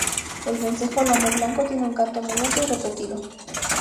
El vencejo lomo blanco tiene un canto muy alto y repetido.